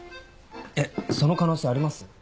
えっその可能性あります？